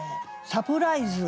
「『サプライズ！』